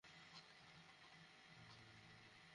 সে জিনদের একজন, সে তার প্রতিপালকের আদেশ অমান্য করল।